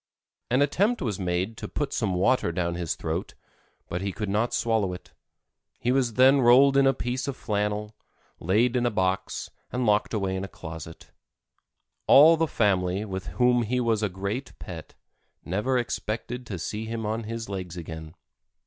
An attempt was made to put some water down his throat, but he could not swallow it. He was then rolled in a piece of flannel, laid in a box and locked away in a closet. All the family, with whom he was a great pet, never expected to see him on his legs again.